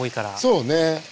そうね。